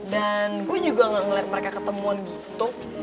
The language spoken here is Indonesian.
dan gue juga gak ngeliat mereka ketemuan gitu